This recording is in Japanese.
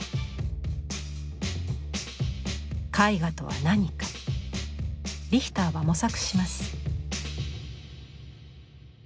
絵画とは何かリヒターは模索します。